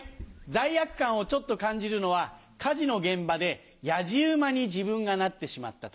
罪悪感をちょっと感じるのは火事の現場でやじ馬に自分がなってしまった時。